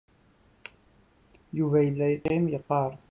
Yuba yella yeqqim, yeqqar.